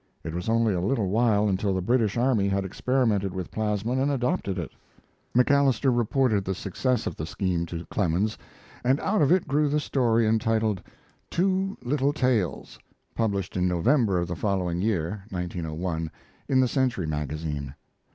It was only a little while until the British army had experimented with plasmon and adopted it. MacAlister reported the success of the scheme to Clemens, and out of it grew the story entitled, "Two Little Tales," published in November of the following year (1901) in the Century Magazine.